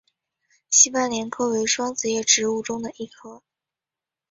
西番莲科为双子叶植物中的一科。